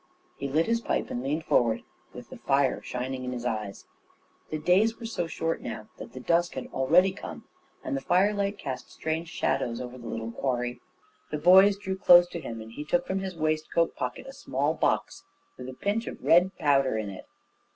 He lit his pipe and leaned forward, with the fire shining in his eyes. The days were so short now that the dusk had already come, and the firelight cast strange shadows over the little quarry. The boys drew closer to him, and he took from his waistcoat pocket a small box, with a pinch of red powder in it.